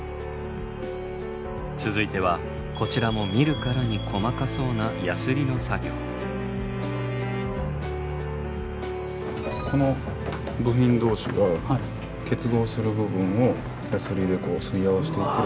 続いてはこちらも見るからに細かそうなこの部品同士が結合する部分をヤスリですり合わせていってるんですけど。